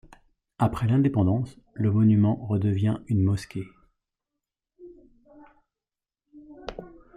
Après l’Indépendance, le monument redevient une mosquée.